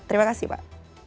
terima kasih pak